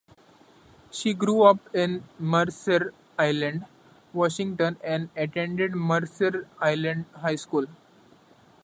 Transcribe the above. She grew up in Mercer Island, Washington, and attended Mercer Island High School.